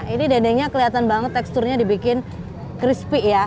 ini dendengnya keliatan banget teksturnya dibikin crispy ya